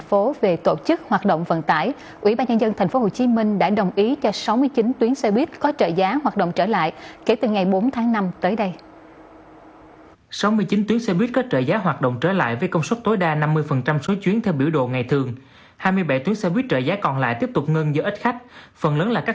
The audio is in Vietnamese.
đối với hoạt động vận tải hành khách theo tuyến cố định hoạt động trở lại bình thường một trăm linh số chuyến trong biểu độ chạy xe đã được phê duyệt